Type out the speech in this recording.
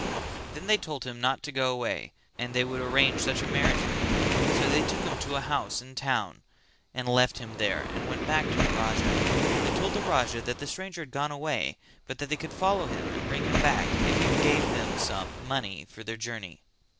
Then they told him not go away and they would arrange such a marriage for him, so they took him to a house in the town and left him there and went back to the Raja. They told the Raja that the stranger had gone away but that they could follow him and bring him back if he gave them some money for their journey.